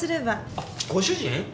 あっご主人？